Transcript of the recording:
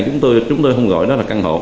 chúng tôi không gọi nó là căn hộ